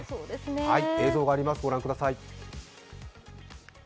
映像があります、ご覧ください。